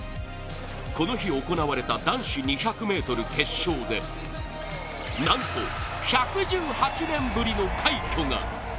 この日、行われた男子２００ｍ決勝でなんと、１１８年ぶりの快挙が。